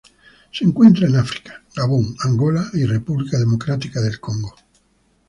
Se encuentran en África: Gabón, Angola y República Democrática del Congo.